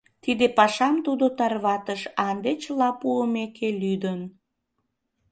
Тиде пашам тудо тарватыш, а ынде, чыла пуымеке, лӱдын.